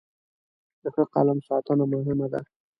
د ښه قلم ساتنه مهمه ده.